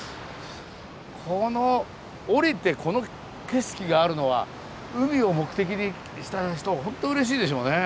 この降りてこの景色があるのは海を目的に来た人はホントうれしいでしょうね。